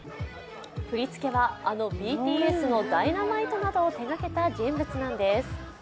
振り付けはあのＢＴＳの「Ｄｙｎａｍｉｔｅ」などを手がけた人物なんです。